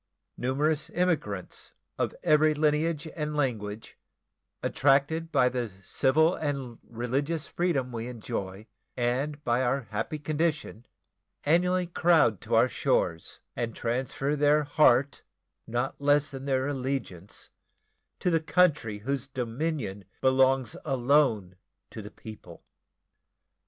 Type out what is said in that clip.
Numerous emigrants, of every lineage and language, attracted by the civil and religious freedom we enjoy and by our happy condition, annually crowd to our shores, and transfer their heart, not less than their allegiance, to the country whose dominion belongs alone to the people.